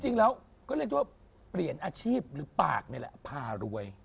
จริงแล้วก็เรียกได้ว่าเปลี่ยนอาชีพหรือปากนี่แหละพารวย